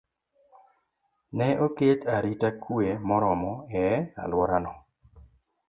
ne oket arita kwe moromo e alworano.